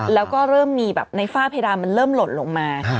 แล้วก็เริ่มมีแบบในฝ้าเพดานมันเริ่มหล่นลงมา